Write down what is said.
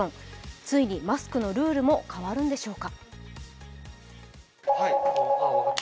ついにマスクのルールも変わるんでしょうか。